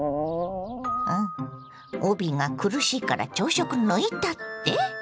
帯が苦しいから朝食抜いたって？